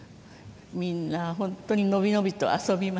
みんな本当に伸び伸びと遊びました。